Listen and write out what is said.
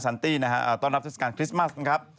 แซนตี้นะฮะต้อนรับเศรษฐการณ์คริสต์มาสนะครับ